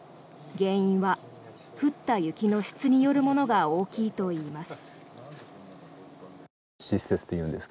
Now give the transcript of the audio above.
原因は降った雪の質によるものが大きいといいます。